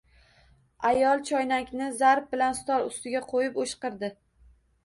Ayol choynakni zarb bilan stol ustiga qo’yib o’shqirdi: